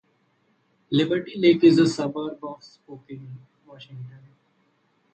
Liberty Lake is a suburb of Spokane, Washington.